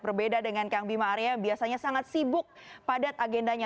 berbeda dengan kang bima arya yang biasanya sangat sibuk padat agendanya